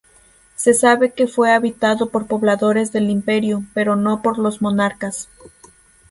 Se sabe que fue habitado por pobladores del imperio, pero no por los monarcas.